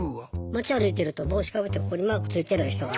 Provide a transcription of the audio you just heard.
街歩いてると帽子かぶってここにマークついてる人が。